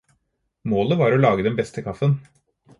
Målet var å lage den beste kaffen.